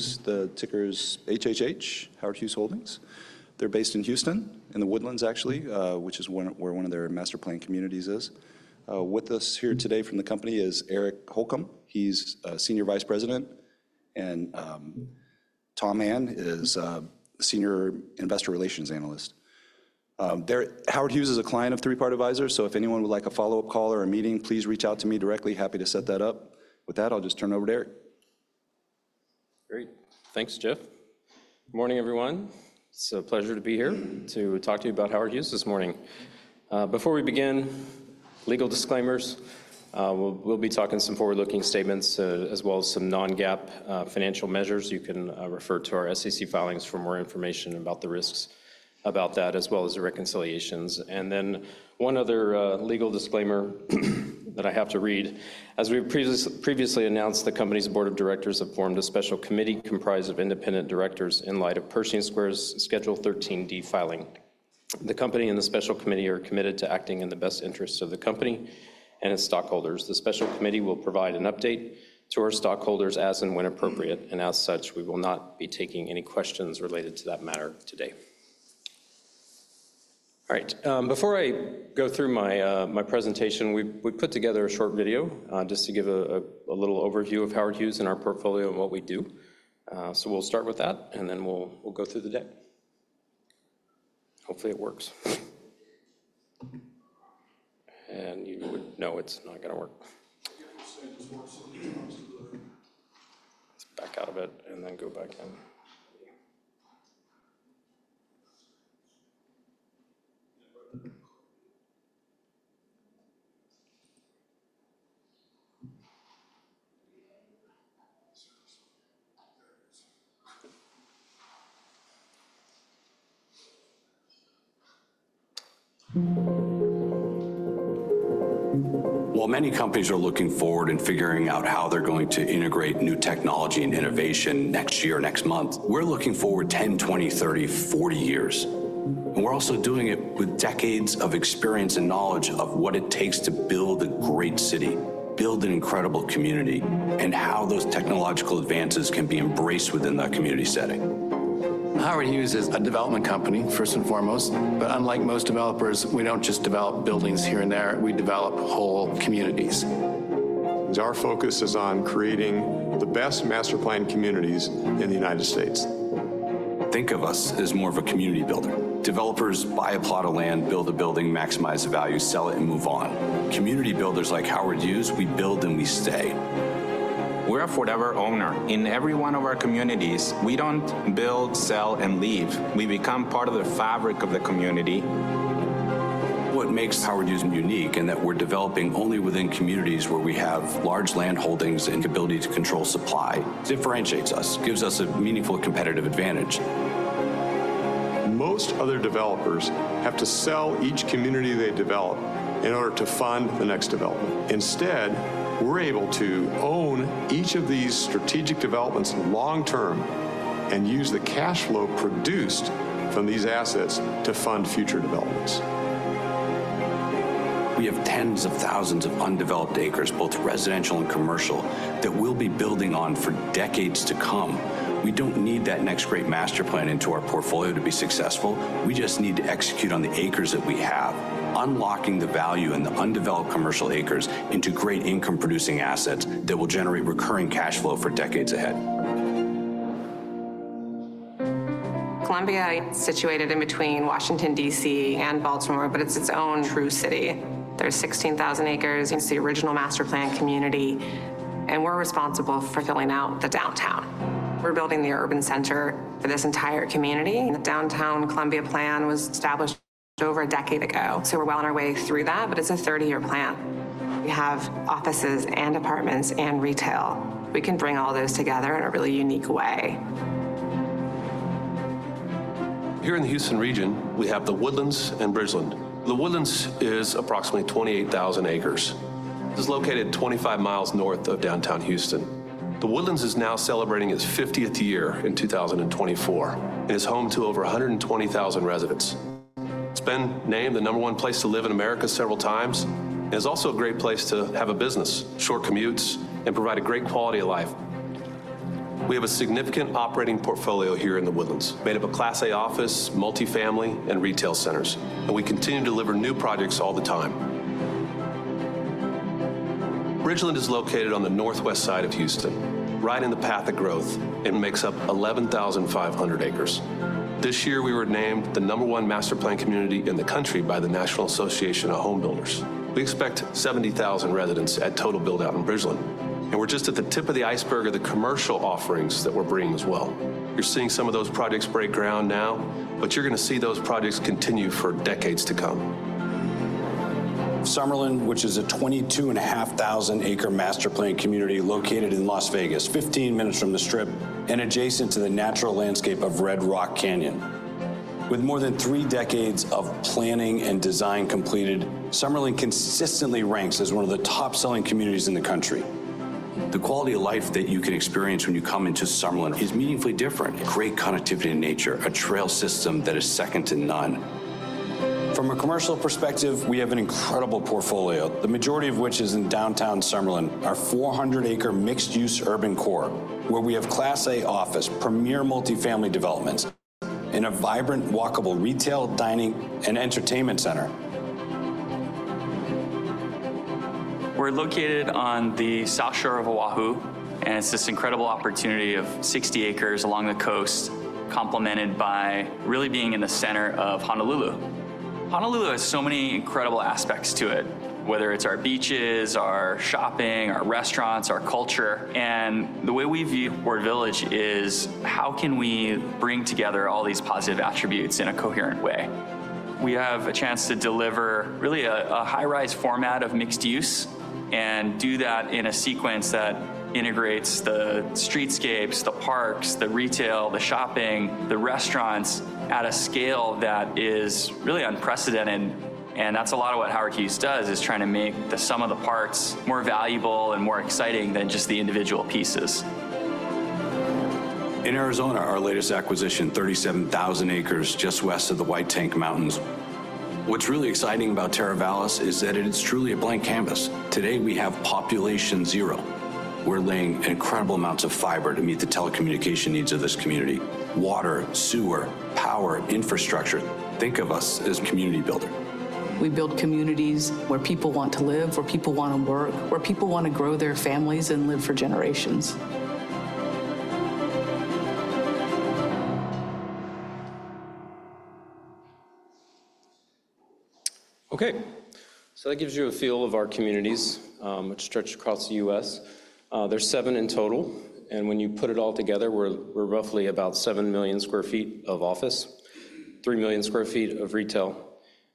The ticker is HHH, Howard Hughes Holdings. They're based in Houston, in The Woodlands, actually, which is where one of their master planned communities is. With us here today from the company is Eric Holcomb. He's a Senior Vice President, and Tom Han is a Senior Investor Relations Analyst. Howard Hughes is a client of Three Part Advisors, so if anyone would like a follow-up call or a meeting, please reach out to me directly. Happy to set that up. With that, I'll just turn it over to Eric. Great. Thanks, Jeff. Good morning, everyone. It's a pleasure to be here to talk to you about Howard Hughes this morning. Before we begin, legal disclaimers. We'll be talking some forward-looking statements, as well as some non-GAAP financial measures. You can refer to our SEC filings for more information about the risks about that, as well as the reconciliations, and then one other legal disclaimer that I have to read. As we previously announced, the company's board of directors have formed a special committee comprised of independent directors in light of Pershing Square's Schedule 13D filing. The company and the special committee are committed to acting in the best interests of the company and its stockholders. The special committee will provide an update to our stockholders as and when appropriate, and as such, we will not be taking any questions related to that matter today. All right. Before I go through my presentation, we put together a short video just to give a little overview of Howard Hughes and our portfolio and what we do. So we'll start with that, and then we'll go through the deck. Hopefully, it works. And you would know it's not going to work. Let's back out of it and then go back in. While many companies are looking forward and figuring out how they're going to integrate new technology and innovation next year, next month, we're looking forward 10, 20, 30, 40 years, and we're also doing it with decades of experience and knowledge of what it takes to build a great city, build an incredible community, and how those technological advances can be embraced within that community setting. Howard Hughes is a development company, first and foremost, but unlike most developers, we don't just develop buildings here and there. We develop whole communities. Our focus is on creating the best master plan communities in the United States. Think of us as more of a community builder. Developers buy a plot of land, build a building, maximize the value, sell it, and move on. Community builders like Howard Hughes, we build and we stay. We're a forever owner in every one of our communities. We don't build, sell, and leave. We become part of the fabric of the community. What makes Howard Hughes unique, and that we're developing only within communities where we have large land holdings and the ability to control supply, differentiates us, gives us a meaningful competitive advantage. Most other developers have to sell each community they develop in order to fund the next development. Instead, we're able to own each of these strategic developments long-term and use the cash flow produced from these assets to fund future developments. We have tens of thousands of undeveloped acres, both residential and commercial, that we'll be building on for decades to come. We don't need that next great master plan into our portfolio to be successful. We just need to execute on the acres that we have, unlocking the value in the undeveloped commercial acres into great income-producing assets that will generate recurring cash flow for decades ahead. Columbia is situated in between Washington D.C., and Baltimore, but it's its own true city. There's 16,000 acres. It's the original master plan community, and we're responsible for filling out the downtown. We're building the urban center for this entire community. The downtown Columbia plan was established over a decade ago, so we're well on our way through that, but it's a 30-year plan. We have offices and apartments and retail. We can bring all those together in a really unique way. Here in the Houston region, we have The Woodlands and Bridgeland. The Woodlands is approximately 28,000 acres. It is located 25 miles north of downtown Houston. The Woodlands is now celebrating its 50th year in 2024 and is home to over 120,000 residents. It has been named the number one place to live in America several times and is also a great place to have a business, short commutes, and provide a great quality of life. We have a significant operating portfolio here in The Woodlands, made up of Class A offices, multifamily, and retail centers, and we continue to deliver new projects all the time. Bridgeland is located on the northwest side of Houston, right in the path of growth, and makes up 11,500 acres. This year, we were named the number one master plan community in the country by the National Association of Home Builders. We expect 70,000 residents at total buildout in Bridgeland, and we're just at the tip of the iceberg of the commercial offerings that we're bringing as well. You're seeing some of those projects break ground now, but you're going to see those projects continue for decades to come. Summerlin, which is a 22,500-acre master plan community located in Las Vegas, 15 minutes from the Strip and adjacent to the natural landscape of Red Rock Canyon. With more than three decades of planning and design completed, Summerlin consistently ranks as one of the top-selling communities in the country. The quality of life that you can experience when you come into Summerlin is meaningfully different. Great connectivity to nature, a trail system that is second to none. From a commercial perspective, we have an incredible portfolio, the majority of which is in Downtown Summerlin, our 400-acre mixed-use urban core, where we have Class A offices, premier multifamily developments, and a vibrant, walkable retail, dining, and entertainment center. We're located on the south shore of Oʻahu, and it's this incredible opportunity of 60 acres along the coast, complemented by really being in the center of Honolulu. Honolulu has so many incredible aspects to it, whether it's our beaches, our shopping, our restaurants, our culture. And the way we view our village is, how can we bring together all these positive attributes in a coherent way? We have a chance to deliver really a high-rise format of mixed-use and do that in a sequence that integrates the streetscapes, the parks, the retail, the shopping, the restaurants at a scale that is really unprecedented. And that's a lot of what Howard Hughes does, is trying to make the sum of the parts more valuable and more exciting than just the individual pieces. In Arizona, our latest acquisition, 37,000 acres just west of the White Tank Mountains. What's really exciting about Terra Vallis is that it's truly a blank canvas. Today, we have population zero. We're laying incredible amounts of fiber to meet the telecommunication needs of this community: water, sewer, power, infrastructure. Think of us as a community builder. We build communities where people want to live, where people want to work, where people want to grow their families and live for generations. Okay. So that gives you a feel of our communities, which stretch across the U.S. There's seven in total, and when you put it all together, we're roughly about 7 million sq ft of office, 3 million sq ft of retail,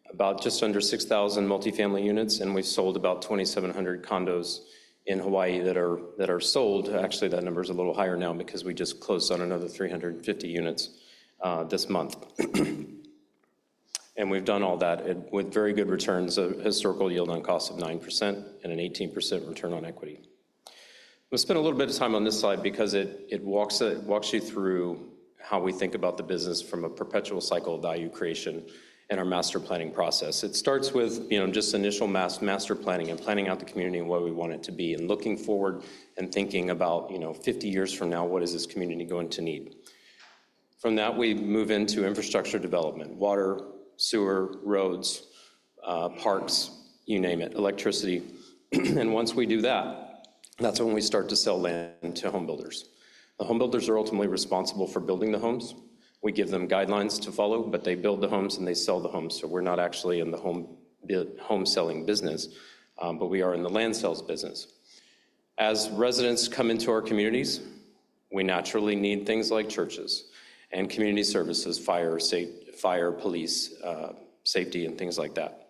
about just under 6,000 multifamily units, and we've sold about 2,700 condos in Hawaii that are sold. Actually, that number is a little higher now because we just closed on another 350 units this month, and we've done all that with very good returns, a historical yield on cost of 9% and an 18% return on equity. I'm going to spend a little bit of time on this slide because it walks you through how we think about the business from a perpetual cycle of value creation and our master planning process. It starts with just initial master planning and planning out the community and what we want it to be, and looking forward and thinking about 50 years from now, what is this community going to need? From that, we move into infrastructure development: water, sewer, roads, parks, you name it, electricity. And once we do that, that's when we start to sell land to home builders. The home builders are ultimately responsible for building the homes. We give them guidelines to follow, but they build the homes and they sell the homes. So we're not actually in the home selling business, but we are in the land sales business. As residents come into our communities, we naturally need things like churches and community services, fire, police, safety, and things like that.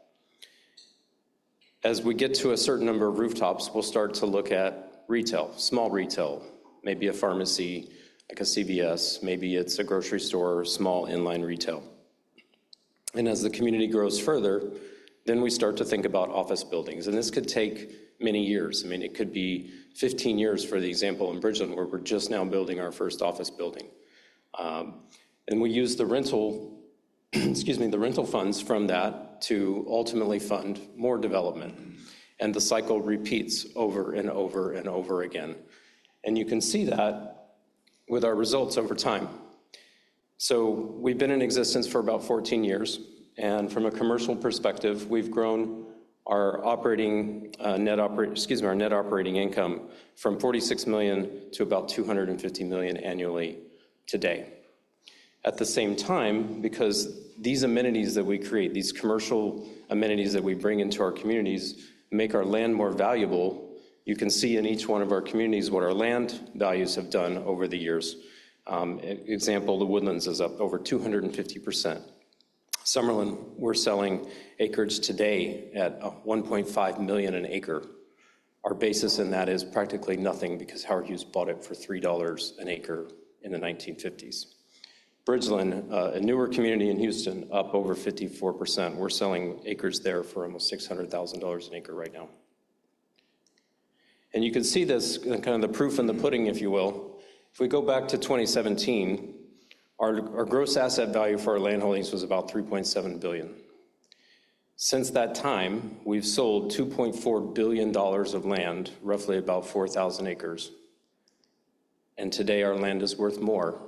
As we get to a certain number of rooftops, we'll start to look at retail, small retail, maybe a pharmacy, like a CVS, maybe it's a grocery store, small inline retail. And as the community grows further, then we start to think about office buildings, and this could take many years. I mean, it could be 15 years for the example in Bridgeland, where we're just now building our first office building. And we use the rental funds from that to ultimately fund more development, and the cycle repeats over and over and over again. And you can see that with our results over time. So we've been in existence for about 14 years, and from a commercial perspective, we've grown our net operating income from $46 million to about $250 million annually today. At the same time, because these amenities that we create, these commercial amenities that we bring into our communities make our land more valuable, you can see in each one of our communities what our land values have done over the years. Example, The Woodlands is up over 250%. Summerlin, we're selling acres today at $1.5 million an acre. Our basis in that is practically nothing because Howard Hughes bought it for $3 an acre in the 1950s. Bridgeland, a newer community in Houston, up over 54%. We're selling acres there for almost $600,000 an acre right now, and you can see this, kind of the proof in the pudding, if you will. If we go back to 2017, our gross asset value for our land holdings was about $3.7 billion. Since that time, we've sold $2.4 billion of land, roughly about 4,000 acres. Today, our land is worth more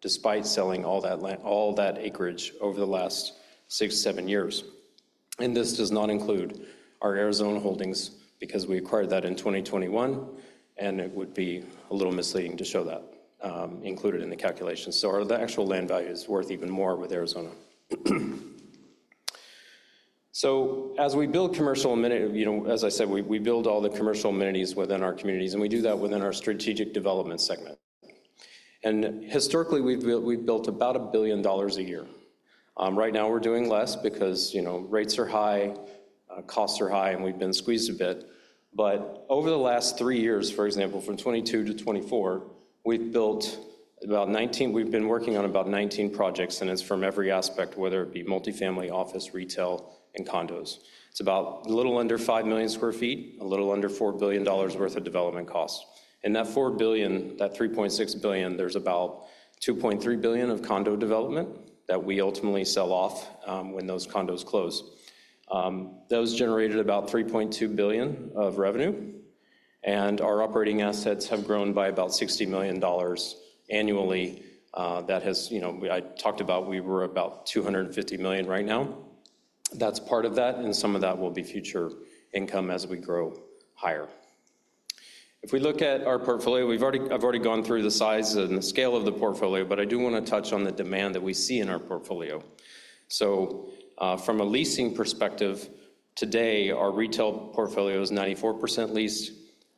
despite selling all that acreage over the last six, seven years. This does not include our Arizona holdings because we acquired that in 2021, and it would be a little misleading to show that included in the calculation. The actual land value is worth even more with Arizona. As we build commercial amenities, as I said, we build all the commercial amenities within our communities, and we do that within our strategic development segment. Historically, we've built about $1 billion a year. Right now, we're doing less because rates are high, costs are high, and we've been squeezed a bit. Over the last three years, for example, from 2022 to 2024, we've built about 19; we've been working on about 19 projects, and it's from every aspect, whether it be multifamily, office, retail, and condos. It's about a little under 5 million sq ft, a little under $4 billion worth of development costs. And that $4 billion, that $3.6 billion, there's about $2.3 billion of condo development that we ultimately sell off when those condos close. Those generated about $3.2 billion of revenue, and our operating assets have grown by about $60 million annually. That has, I talked about, we were about $250 million right now. That's part of that, and some of that will be future income as we grow higher. If we look at our portfolio, I've already gone through the size and the scale of the portfolio, but I do want to touch on the demand that we see in our portfolio. So from a leasing perspective, today, our retail portfolio is 94% leased,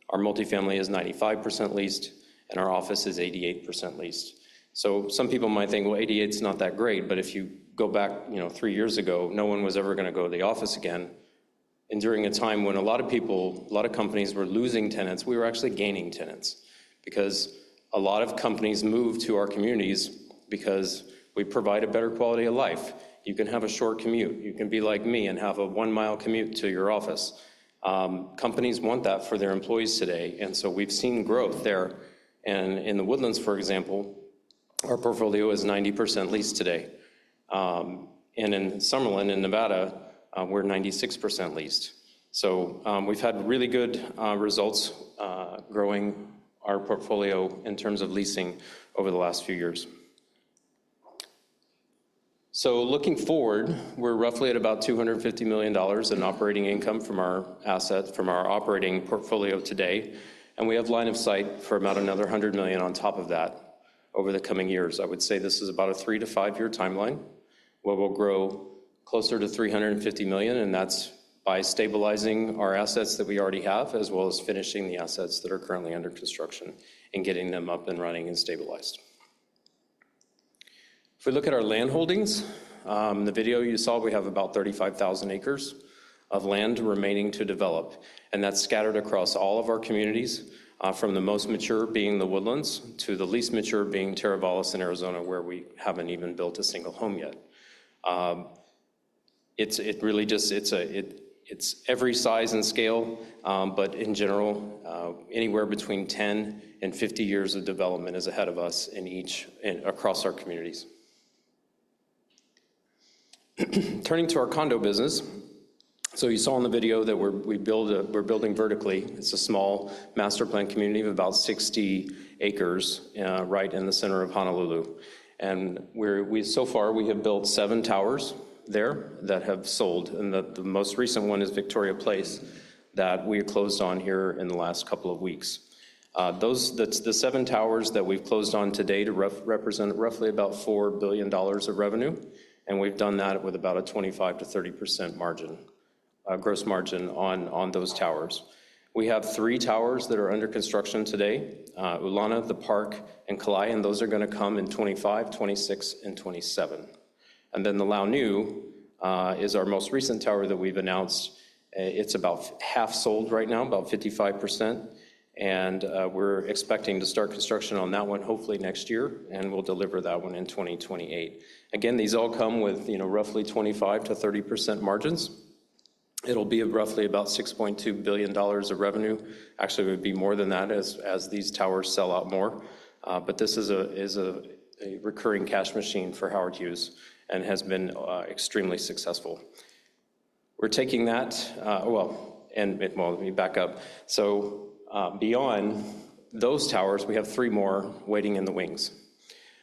our multifamily is 95% leased, and our office is 88% leased. So some people might think, well, 88% not that great, but if you go back three years ago, no one was ever going to go to the office again. And during a time when a lot of people, a lot of companies were losing tenants, we were actually gaining tenants because a lot of companies moved to our communities because we provide a better quality of life. You can have a short commute. You can be like me and have a one-mile commute to your office. Companies want that for their employees today, and so we've seen growth there. And in The Woodlands, for example, our portfolio is 90% leased today. And in Summerlin, in Nevada, we're 96% leased. So we've had really good results growing our portfolio in terms of leasing over the last few years. Looking forward, we're roughly at about $250 million in operating income from our asset, from our operating portfolio today, and we have line of sight for about another $100 million on top of that over the coming years. I would say this is about a three to five-year timeline where we'll grow closer to $350 million, and that's by stabilizing our assets that we already have as well as finishing the assets that are currently under construction and getting them up and running and stabilized. If we look at our land holdings, in the video you saw, we have about 35,000 acres of land remaining to develop, and that's scattered across all of our communities, from the most mature being The Woodlands to the least mature being Terra Vallis in Arizona, where we haven't even built a single home yet. It's really just, it's every size and scale, but in general, anywhere between 10 years and 50 years of development is ahead of us in each, across our communities. Turning to our condo business, so you saw in the video that we're building vertically. It's a small master plan community of about 60 acres right in the center of Honolulu. And so far, we have built seven towers there that have sold, and the most recent one is Victoria Place that we closed on here in the last couple of weeks. The seven towers that we've closed on today represent roughly about $4 billion of revenue, and we've done that with about a 25%-30% gross margin on those towers. We have three towers that are under construction today, Ulana, The Park, and Kalae, and those are going to come in 2025, 2026, and 2027. The Launiu is our most recent tower that we've announced. It's about half sold right now, about 55%, and we're expecting to start construction on that one hopefully next year, and we'll deliver that one in 2028. Again, these all come with roughly 25%-30% margins. It'll be roughly about $6.2 billion of revenue. Actually, it would be more than that as these towers sell out more, but this is a recurring cash machine for Howard Hughes and has been extremely successful. We're taking that, well, and let me back up. Beyond those towers, we have three more waiting in the wings.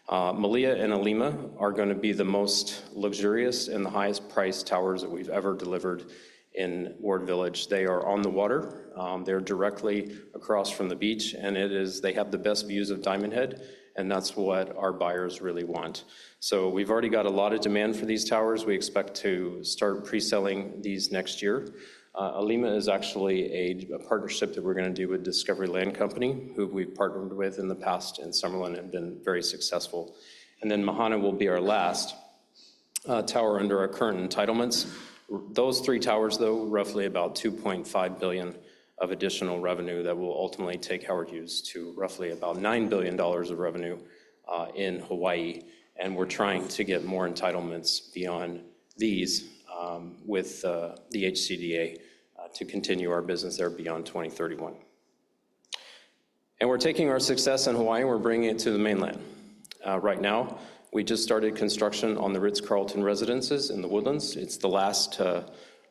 Melia and 'Ilima are going to be the most luxurious and the highest-priced towers that we've ever delivered in Ward Village. They are on the water. They're directly across from the beach, and they have the best views of Diamond Head, and that's what our buyers really want. So we've already got a lot of demand for these towers. We expect to start pre-selling these next year. 'llima is actually a partnership that we're going to do with Discovery Land Company, who we've partnered with in the past in Summerlin and been very successful. And then Mahana will be our last tower under our current entitlements. Those three towers, though, roughly about $2.5 billion of additional revenue that will ultimately take Howard Hughes to roughly about $9 billion of revenue in Hawaii. And we're trying to get more entitlements beyond these with the HCDA to continue our business there beyond 2031. And we're taking our success in Hawaii and we're bringing it to the mainland. Right now, we just started construction on The Ritz-Carlton Residences, The Woodlands. It's the last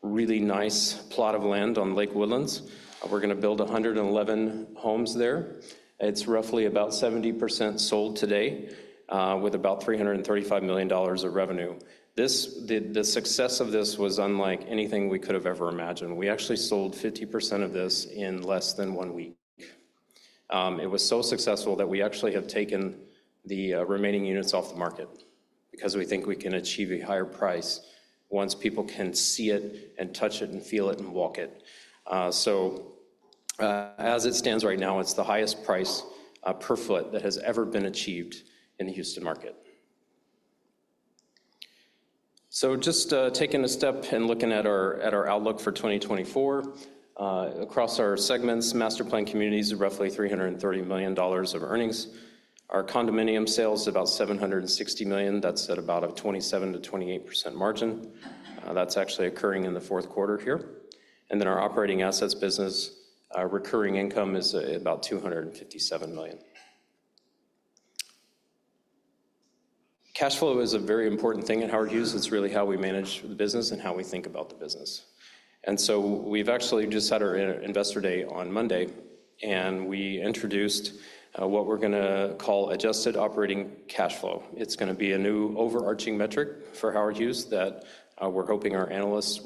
really nice plot of land on Lake Woodlands. We're going to build 111 homes there. It's roughly about 70% sold today with about $335 million of revenue. The success of this was unlike anything we could have ever imagined. We actually sold 50% of this in less than one week. It was so successful that we actually have taken the remaining units off the market because we think we can achieve a higher price once people can see it and touch it and feel it and walk it. So as it stands right now, it's the highest price per foot that has ever been achieved in the Houston market. So just taking a step and looking at our outlook for 2024, across our segments, master plan communities are roughly $330 million of earnings. Our condominium sales are about $760 million. That's at about a 27%-28% margin. That's actually occurring in the fourth quarter here. And then our operating assets business, recurring income is about $257 million. Cash flow is a very important thing at Howard Hughes. It's really how we manage the business and how we think about the business. And so we've actually just had our investor day on Monday, and we introduced what we're going to call adjusted operating cash flow. It's going to be a new overarching metric for Howard Hughes that we're hoping our analysts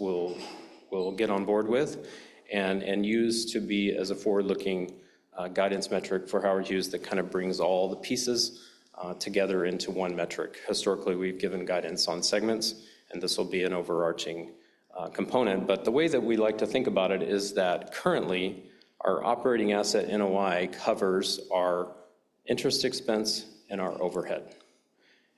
will get on board with and use to be as a forward-looking guidance metric for Howard Hughes that kind of brings all the pieces together into one metric. Historically, we've given guidance on segments, and this will be an overarching component. But the way that we like to think about it is that currently, our operating asset NOI covers our interest expense and our overhead.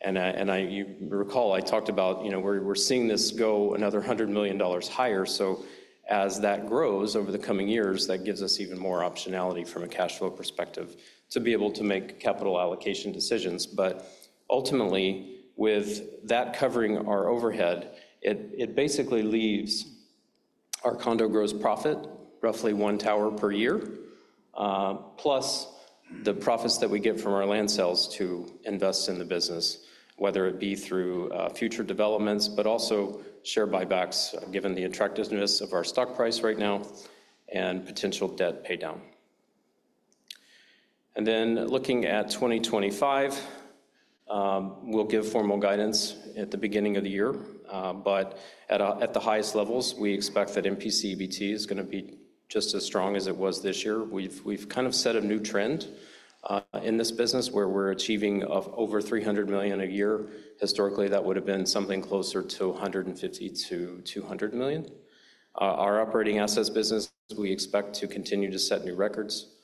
And you recall I talked about where we're seeing this go another $100 million higher. So as that grows over the coming years, that gives us even more optionality from a cash flow perspective to be able to make capital allocation decisions. But ultimately, with that covering our overhead, it basically leaves our condo gross profit, roughly one tower per year, plus the profits that we get from our land sales to invest in the business, whether it be through future developments, but also share buybacks given the attractiveness of our stock price right now and potential debt paydown. Looking at 2025, we'll give formal guidance at the beginning of the year, but at the highest levels, we expect that MPC EBT is going to be just as strong as it was this year. We've kind of set a new trend in this business where we're achieving over $300 million a year. Historically, that would have been something closer to $150 million - $200 million. Our operating assets business, we expect to continue to set new records.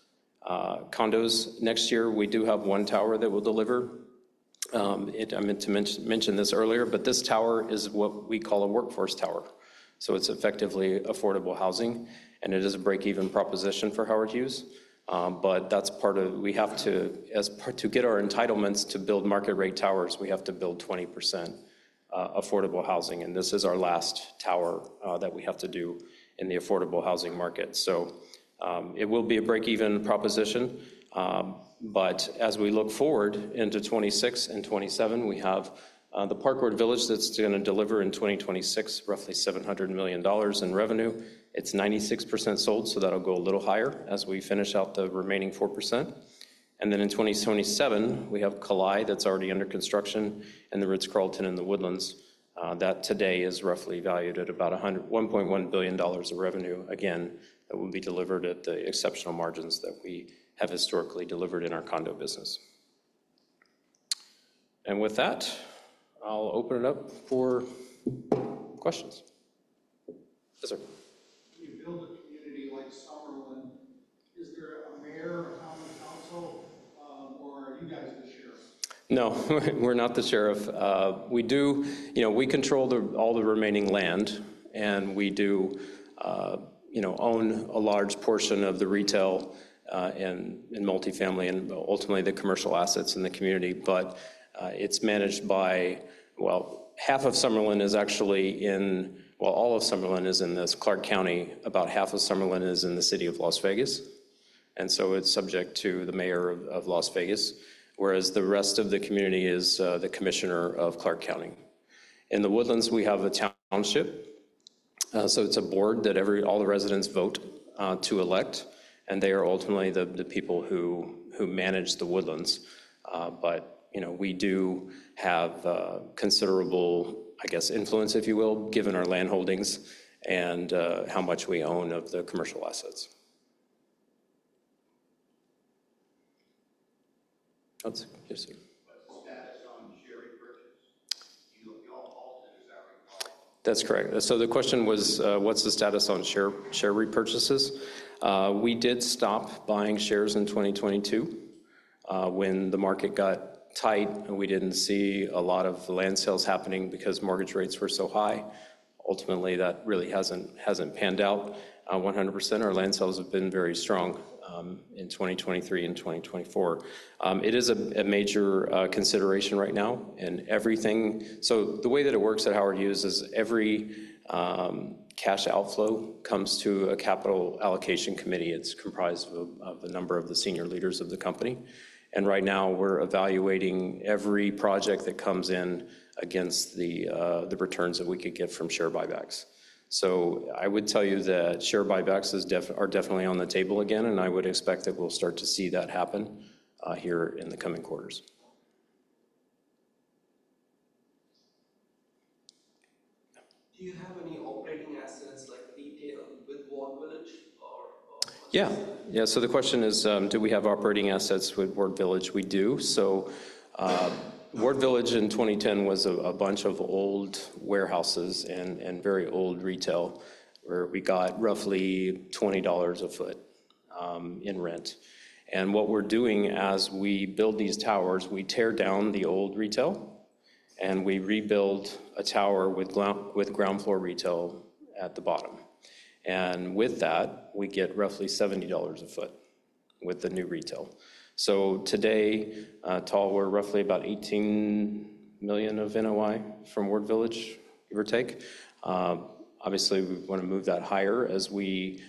Condos, next year, we do have one tower that will deliver. I meant to mention this earlier, but this tower is what we call a workforce tower. So it's effectively affordable housing, and it is a break-even proposition for Howard Hughes. But that's part of. We have to, to get our entitlements to build market-rate towers, we have to build 20% affordable housing, and this is our last tower that we have to do in the affordable housing market. So it will be a break-even proposition, but as we look forward into 2026 and 2027, we have The Park Ward Village that's going to deliver in 2026 roughly $700 million in revenue. It's 96% sold, so that'll go a little higher as we finish out the remaining 4%. And then in 2027, we have Kalae that's already under construction and the Ritz-Carlton in The Woodlands that today is roughly valued at about $1.1 billion of revenue. Again, that will be delivered at the exceptional margins that we have historically delivered in our condo business. And with that, I'll open it up for questions. Yes, sir. If you build a community like Summerlin, is there a mayor or town council, or are you guys the sheriff? No, we're not the sheriff. We do, we control all the remaining land, and we do own a large portion of the retail and multifamily and ultimately the commercial assets in the community. But it's managed by, well, half of Summerlin is actually in, well, all of Summerlin is in this Clark County, about half of Summerlin is in the city of Las Vegas. And so it's subject to the mayor of Las Vegas, whereas the rest of the community is the commissioner of Clark County. In The Woodlands, we have a township. So it's a board that all the residents vote to elect, and they are ultimately the people who manage The Woodlands. But we do have considerable, I guess, influence, if you will, given our land holdings and how much we own of the commercial assets. Yes, sir. That's correct. So the question was, what's the status on share repurchases? We did stop buying shares in 2022 when the market got tight, and we didn't see a lot of land sales happening because mortgage rates were so high. Ultimately, that really hasn't panned out 100%. Our land sales have been very strong in 2023 and 2024. It is a major consideration right now. And everything, so the way that it works at Howard Hughes is every cash outflow comes to a capital allocation committee. It's comprised of a number of the senior leaders of the company. And right now, we're evaluating every project that comes in against the returns that we could get from share buybacks. So I would tell you that share buybacks are definitely on the table again, and I would expect that we'll start to see that happen here in the coming quarters. Do you have any operating assets like retail with Ward Village? Yeah. Yeah. So the question is, do we have operating assets with Ward Village? We do. So Ward Village in 2010 was a bunch of old warehouses and very old retail where we got roughly $20 a foot in rent. And what we're doing as we build these towers, we tear down the old retail, and we rebuild a tower with ground floor retail at the bottom. And with that, we get roughly $70 a foot with the new retail. So today, Tom, we're roughly about $18 million of NOI from Ward Village, give or take. Obviously, we want to move that higher as we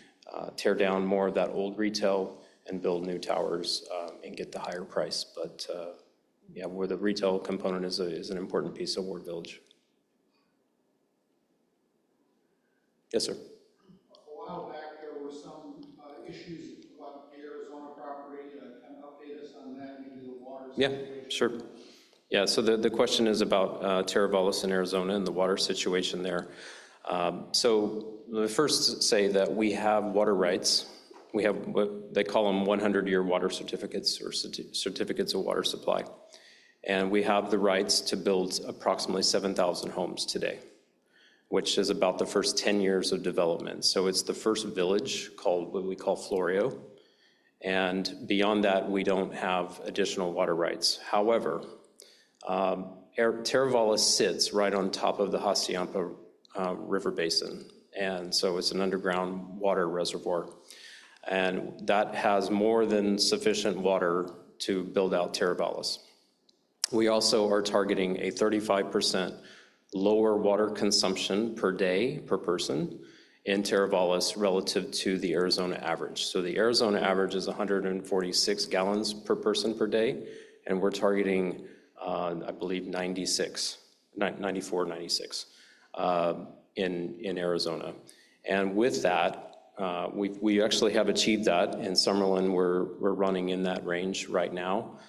tear down more of that old retail and build new towers and get the higher price. But yeah, where the retail component is an important piece of Ward Village. Yes, sir. A while back, there were some issues with what Arizona property can update us on that, maybe the water situation. Yeah. Sure. Yeah. So the question is about Terra Vallis in Arizona and the water situation there. So let me first say that we have water rights. We have, they call them 100-year water certificates or certificates of water supply. And we have the rights to build approximately 7,000 homes today, which is about the first 10 years of development. So it's the first village called what we call Floreo. And beyond that, we don't have additional water rights. However, Terra Vallis sits right on top of the Hassayampa River Basin. And so it's an underground water reservoir. And that has more than sufficient water to build out Terra Vallis. We also are targeting a 35% lower water consumption per day per person in Terra Vallis relative to the Arizona average. So the Arizona average is 146 gallons per person per day. And we're targeting, I believe, 96, 94, 96 in Arizona. And with that, we actually have achieved that. In Summerlin, we're running in that range right now.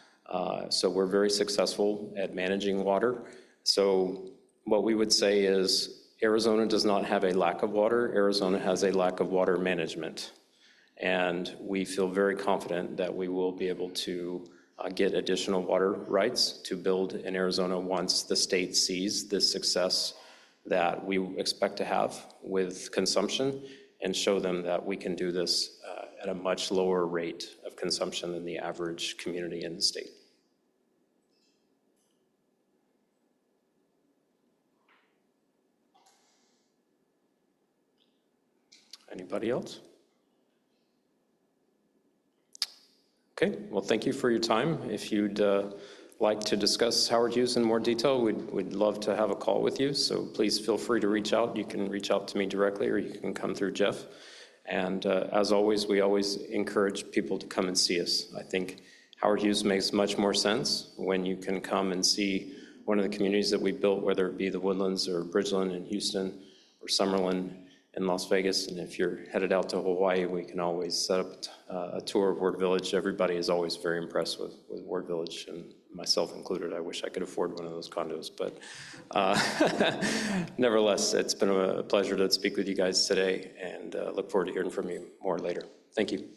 So we're very successful at managing water. So what we would say is Arizona does not have a lack of water. Arizona has a lack of water management. And we feel very confident that we will be able to get additional water rights to build in Arizona once the state sees the success that we expect to have with consumption and show them that we can do this at a much lower rate of consumption than the average community in the state. Anybody else? Okay. Well, thank you for your time. If you'd like to discuss Howard Hughes in more detail, we'd love to have a call with you. So please feel free to reach out. You can reach out to me directly or you can come through Jeff. And as always, we always encourage people to come and see us. I think Howard Hughes makes much more sense when you can come and see one of the communities that we built, whether it be The Woodlands or Bridgeland in Houston or Summerlin in Las Vegas. If you're headed out to Hawaii, we can always set up a tour of Ward Village. Everybody is always very impressed with Ward Village, and myself included. I wish I could afford one of those condos, but nevertheless, it's been a pleasure to speak with you guys today and look forward to hearing from you more later. Thank you.